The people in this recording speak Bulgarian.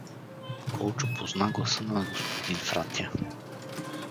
Колчо позна гласа на господин Фратя.